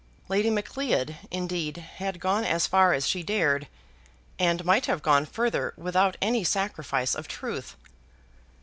Lady Macleod, indeed, had gone as far as she dared, and might have gone further without any sacrifice of truth.